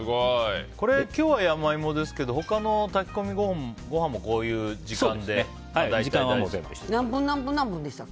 これ、今日は長イモですけど他の炊き込みご飯もこういう時間で大体大丈夫ですか。